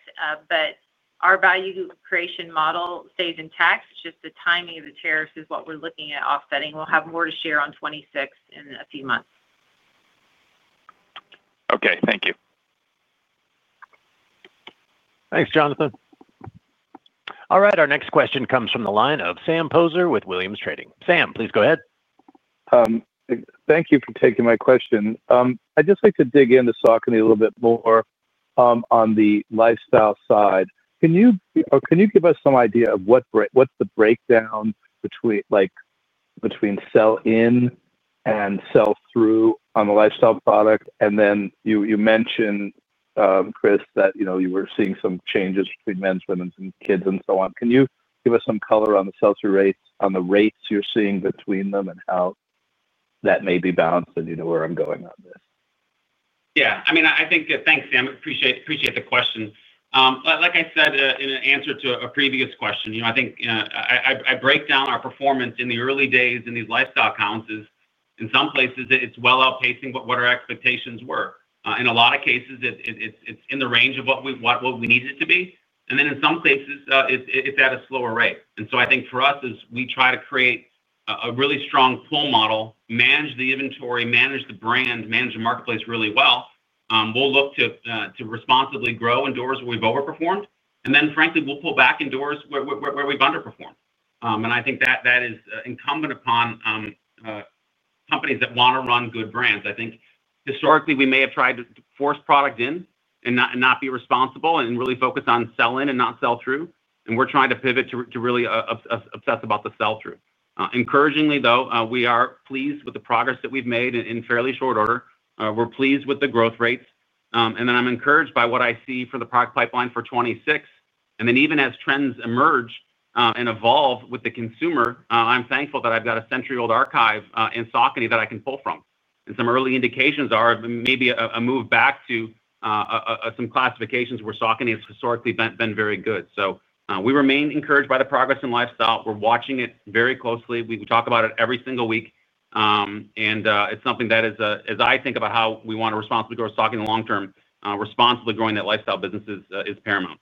Our value creation model stays intact. Just the timing of the tariffs is what we're looking at offsetting. We'll have more to share on 2026 in a few months. Okay, thank you. Thanks, Jonathan. All right, our next question comes from the line of Sam Poser with Williams Trading. Sam, please go ahead. Thank you for taking my question. I'd just like to dig into Saucony a little bit more on the lifestyle side. Can you, or can you give us? some idea of what's the breakdown between like between sell in and sell through on the lifestyle product? You mentioned, Chris, that you know you were seeing some changes between men's, women's and kids and so on. Can you give us some color on the sell through rates, on the rates you're seeing between them and how that may be balanced and you know where I'm going on. Yeah, I mean, I think. Thanks, Sam. Appreciate the question. Like I said in an answer to a previous question, you know, I think I break down our performance in the early days in these lifestyle counts as in some places it's well outpacing what our expectations were. In a lot of cases it's in the range of what we want, what we need it to be and then in some cases it's at a slower rate. I think for us as we try to create a really strong pull model, manage the inventory, manage the brand, manage the marketplace really well. We will look to responsibly grow indoors where we have overperformed, and then frankly we will pull back indoors where we have underperformed. I think that is incumbent upon companies that want to run good brands. I think historically we may have tried to force product in and not be responsible and really focus on sell in and not sell through. We are trying to pivot to really. Obsess about the sell through encouragingly though, we are pleased with the progress that we've made in fairly short order we're pleased with the growth rates. I'm encouraged by what I see for the product pipeline for 2026. Even as trends emerge and evolve with the consumer, I'm thankful that I've got a century-old archive in Saucony that I can pull from. Some early indications are maybe a move back to some classifications where Saucony. Has historically been very good. We remain encouraged by the progress in lifestyle. We're watching it very closely we talk about it every single week. It is something that is, as I think about how we want to responsibly grow stock in the long term, responsibly growing that lifestyle business is paramount.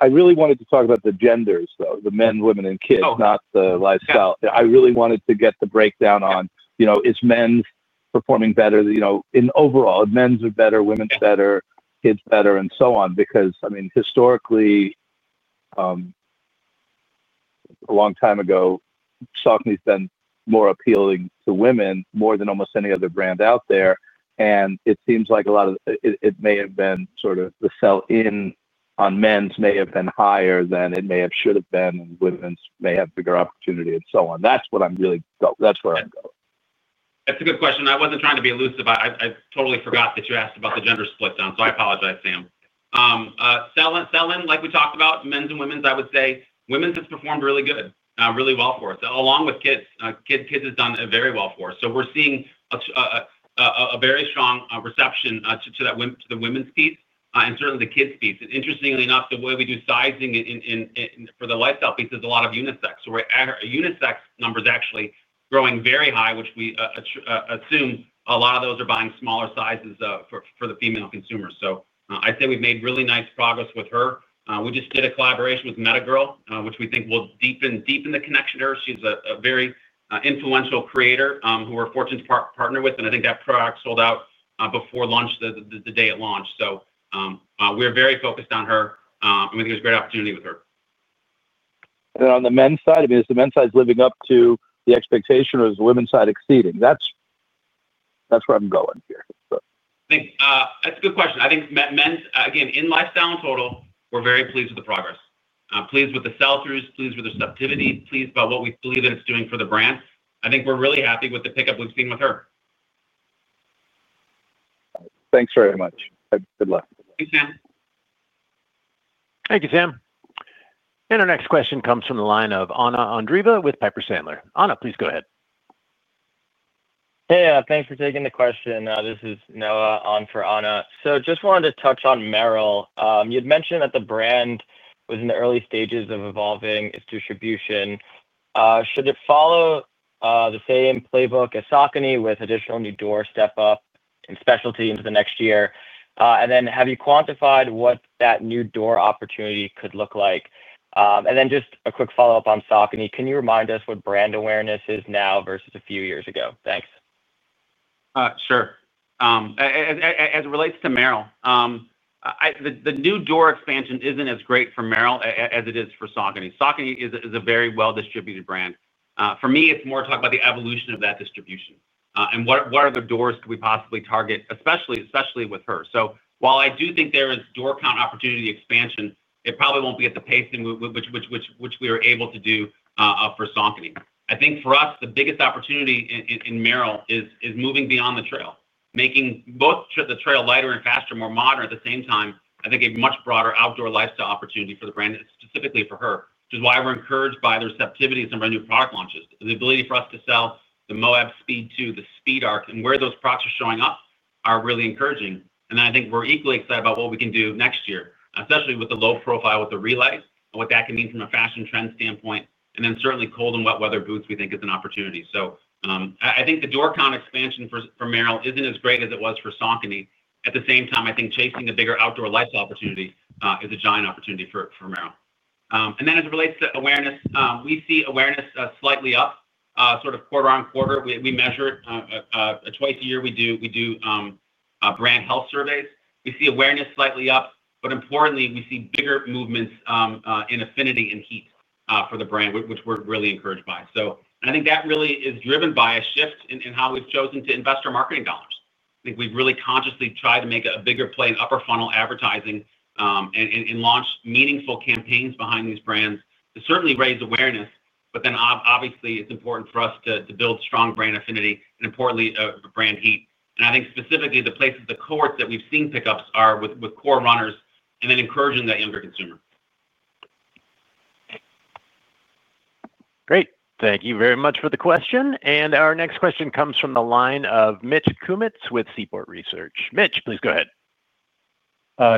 I really wanted to talk about the genders though. The men, women and kids, not the lifestyle. I really wanted to get the breakdown on is men performing better, you know, in overall, men's are better, women's better, kids better and so on. Because I mean historically. A long time ago, Saucony's been more appealing to women more than almost any other brand out there. It seems like a lot of it may have been sort of the sell in on men's may have been higher than it may have, should have been and women's may have bigger opportunity and so on. That's what I'm really that's where I go. That's a good question. I wasn't trying to be elusive. I totally forgot that you asked about the gender split down. I apologize. Sam, sell in. Like we talked about men's and women's, I would say women's has performed really well for us along with kids. Kids has done very well for us. We are seeing a very strong reception to the women's piece. Certainly the kids piece. Interestingly enough, the way we do sizing for the lifestyle piece is a lot of unisex. We are at unisex numbers actually growing very high, which we assume a lot of those are buying smaller sizes for the female consumers. I'd say we've made really nice progress with her. We just did a collaboration with Metagirl, which we think will deepen the connection to her. She's a very influential creator who we're fortunate to partner with. I think that product sold out before launch, the day it launched. We are very focused on her and we think there is a great opportunity with her. On the men's side, I mean, is the men's side living up to the expectation or is the women's side exceeding? That's where I'm going here. That's a good question. I think men again in lifestyle in total, we're very pleased with the progress, pleased with the sell throughs, pleased with receptivity, pleased about what we believe that it's doing for the brand. I think we're really happy with the pickup we've seen with her. Thanks very much. Good luck. Thank you, Sam. Our next question comes from the line of Ana Andreeva with Piper Sandler. Ana, please go ahead. Hey, thanks for taking the question. This is Noah on for Ana. Just wanted to touch on Merrell. You'd mentioned that the brand was in the early stages of evolving its distribution. Should it follow the same playbook as Saucony with additional new door step up specialty into the next year, and then have you quantified what that new door opportunity could look like? Just a quick follow up on Saucony. Can you remind us what brand awareness is now versus a few years ago? Thanks. Sure. As it relates to Merrell, the new door expansion isn't as great for Merrell as it is for Saucony. Saucony is a very well distributed brand. For me it's more talk about the evolution of that distribution and what other doors could we possibly target, especially with her. So while I do think there is door count opportunity expansion, it probably won't be at the pace which we are able to do for Saucony. I think for us, the biggest opportunity in Merrell is moving beyond the trail, making both the trail lighter and faster, more modern. At the same time, I think a much broader outdoor lifestyle opportunity for the brand, specifically for her. Which is why we're encouraged by the receptivity in some brand new product launches. The ability for us to sell the Moab Speed 2, the Speedarc and where those products are showing up are really encouraging. I think we are equally excited about what we can do next year, especially with the low profile with the Relays and what that can mean from a fashion trend standpoint. Certainly cold and wet weather boots. We think is an opportunity. I think the door count expansion for Merrell isn't as great as it was for Saucony. At the same time, I think chasing a bigger outdoor life opportunity is a giant opportunity for Merrell. As it relates to awareness, we see awareness slightly up, sort of quarter on quarter. We measure it twice a year. We do brand health surveys, we see awareness slightly up, but importantly, we see bigger movements in affinity and heat for the brand, which we're really encouraged by. I think that really is driven by a shift in how we've chosen. To invest our marketing dollars. I think we've really consciously tried to make it a bigger play in upper funnel advertising and launch meaningful campaigns behind these brands to certainly raise awareness. Obviously, it's important for us to build strong brand affinity and, importantly, brand heat. I think specifically the places. Cohorts that we've seen pickups are with core runners and then encouraging that younger consumer. Great. Thank you very much for the question. Our next question comes from the line of Mitch Kumitz with Seaport Research. Mitch, please go ahead.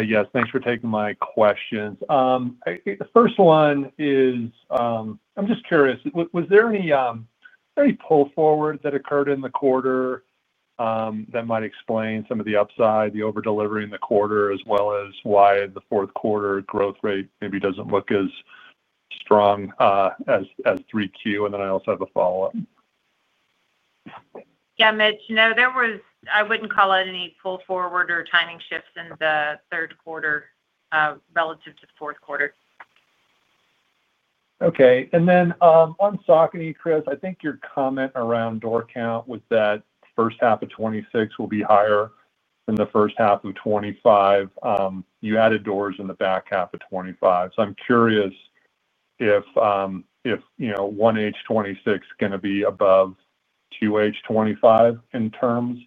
Yes, thanks for taking my questions. The first one is, I'm just curious, was there any pull forward that occurred in the quarter that might explain some of the upside, the over delivery in the quarter, as well as why the fourth quarter growth rate maybe doesn't look as strong as 3Q. I also have a follow up. Yeah, Mitch, no, there was. I would not call it any pull forward or timing shifts in the third quarter relative to the fourth quarter. Okay. On Saucony, Chris, I think your comment around door count was that first half of 2026 will be higher than the first half of 2025. You added doors in the back half of 2025. I'm curious if, if you know, 1H26 going to be above 2H25 in terms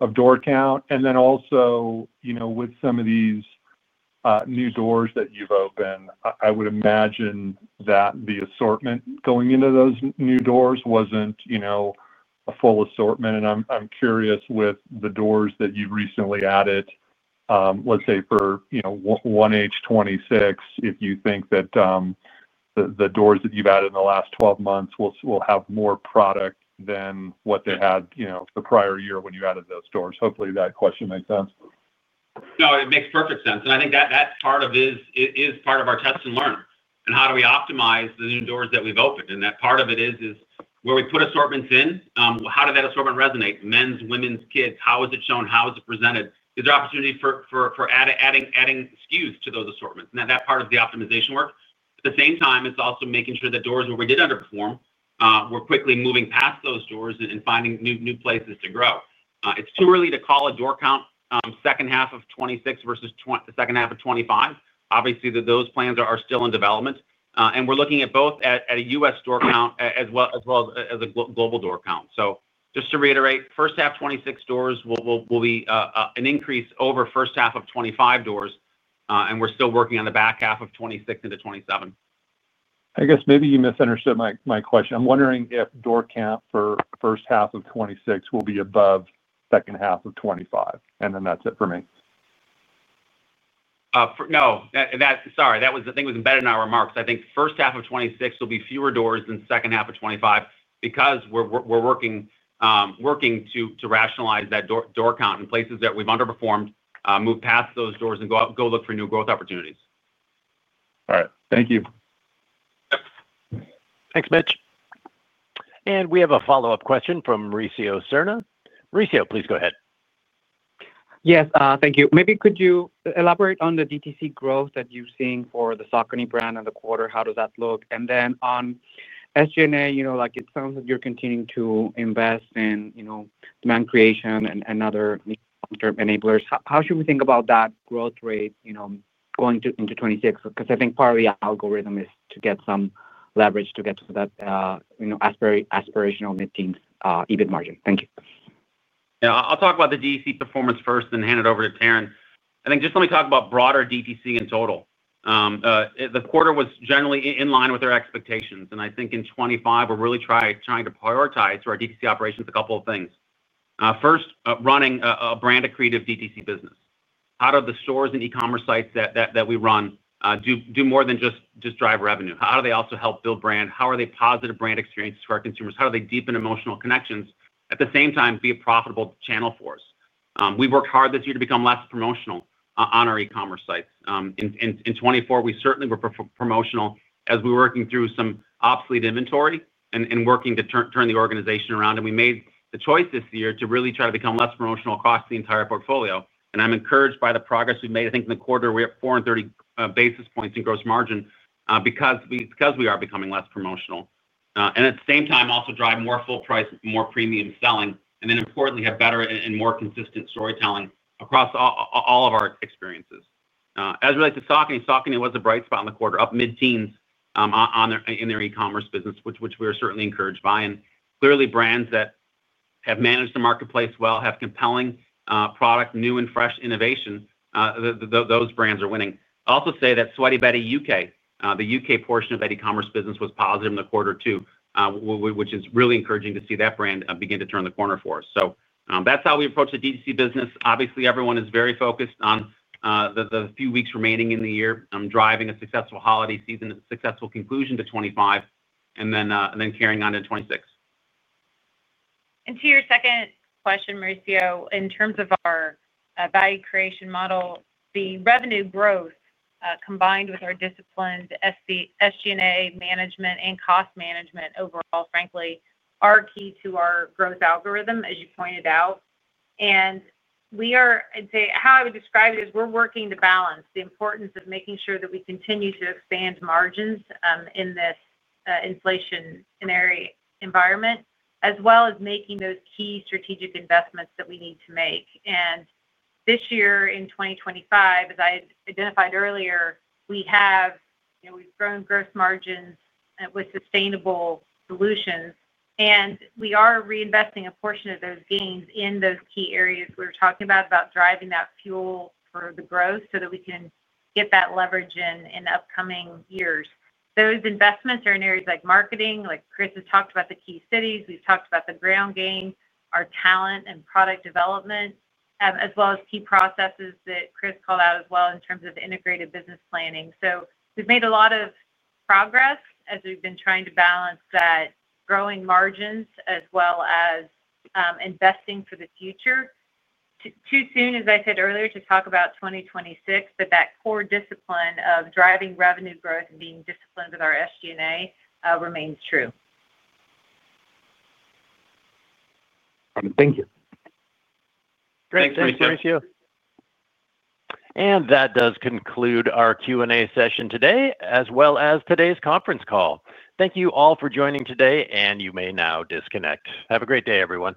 of door count. Also, you know, with some of these new doors that you've opened, I would imagine that the assortment going into those new doors was not, you know, a full assortment. I'm curious with the doors that you've recently added, let's say for, you know, 1H26, if you think that the doors that you've added in the last 12 months will have more product than what they had, you know, the prior year when you added those doors. Hopefully that question makes sense. No, it makes perfect sense. I think that that part of is part of our test and learn. How do we optimize the new doors that we have opened, and that part of it is where we put assortments in. How did that assortment resonate: men's, women's, kids? How is it shown? How is it presented? Is there opportunity for adding SKUs to those assortments now? That part of the optimization work. At the same time, it's also making sure that doors where we did underperform, we're quickly moving past those doors and finding new places to grow. It's too early to call a door count second half of 2026 versus the second half of 2025. Obviously those plans are still in development and we're looking at both at a US store count as well as well as a global door count. Just to reiterate, first half 2026. Doors will be an increase over first half of 25 doors and we're still working on the back half of 2026 into 2027. I guess maybe you misunderstood my question. I'm wondering if door count for first half of 2026 will be above second half of 2025 and then that's it for me. No, that. Sorry, that was, I think it was embedded in our remarks. I think first half of 2026 will be fewer doors than second half of 2025 because we're working to rationalize that door count in places that we've underperformed. Move past those doors and go look. For new growth opportunities. All right, thank you. Thanks Mitch. We have a follow up question from Mauricio Serna. Mauricio, please go ahead. Yes, thank you maybe could you elaborate on the DTC? Growth that you're seeing for the Saucony brand in the quarter? How does that look? On SG&A it sounds like you're continuing to invest in demand creation and other enablers. How should we think about that growth rate going into 2026? Because I think part of the algorithm is to get some leverage to get to that aspirational mid-teens EBIT margin. Thank you. I'll talk about the DTC performance first hand it over to Taryn. I think just let me talk about broader DTC. In total, the quarter was generally in line with our expectations. I think in 2025 we're really trying to prioritize for our DTC operations. A couple of things first, running a brand accretive DTC business. How do the stores and e-commerce sites that we run do more than just drive revenue. How do they also help build brand? How are they positive brand experiences for our consumers? How do they deepen emotional connections at the same time, be a profitable channel for us? We've worked hard this year to become less promotional on our e-commerce sites. In 2024 we certainly were promotional as. We were working through some obsolete inventory are working to turn the organization around. We made the choice this year. To really try to become less promotional across the entire portfolio and I'm encouraged by the progress we've made. I think in the quarter we have 430 basis points in gross margin because we are becoming less promotional and at the same time also drive more full price, more premium selling and then importantly have better and more consistent storytelling across. All of our experiences as related to Saucony, Saucony was a bright spot in the quarter, up mid-teens in their e-commerce business, which we are certainly encouraged by clearly brands that have managed the marketplace well have compelling product, new and fresh innovation. Those brands are winning. I'd also say that Sweaty Betty UK, the UK portion of that e-commerce business was positive in the quarter too. Which is really encouraging to see that brand begin to turn the corner for us. That is how we approach the DTC business. Obviously everyone is very focused on the few weeks remaining in the year driving a successful holiday season, successful conclusion too 2025 and then carrying on to 2026. To your second question, Mauricio, in terms of our value creation model, the revenue growth combined with our disciplined SGA management and cost management overall, frankly, are key to our growth algorithm as you pointed out. We are, how I would describe it is, we're working to balance the importance of making sure that we continue to expand margins in this inflationary environment as well as making those key strategic investments that we need to make. This year, in 2025, as I identified earlier, we have grown gross margins with sustainable solutions and we are reinvesting a portion of those gains in those key areas we were talking about, about driving that fuel for the growth so that we can get that leverage in upcoming years. Those investments are in areas like marketing, like Chris has talked about the key cities, we have talked about the ground game, our talent and product development as well as key processes that Chris called out as well in terms of integrated business planning. We have made a lot of progress as we have been trying to balance that growing margins as well as investing for the future. Too soon, as I said earlier, to talk about 2026. That core discipline of driving revenue growth and being disciplined with our SG&A remains true. Thank you. That does conclude our Q&A session today as well as today's conference call. Thank you all for joining today and you may now disconnect. Have a great day, everyone.